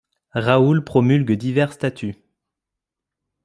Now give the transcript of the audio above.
Raoul promulgue divers statuts.